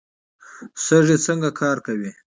سږي څنګه کار کوي؟